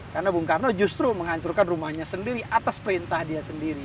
karena bung karno justru menghancurkan rumahnya sendiri atas perintah dia sendiri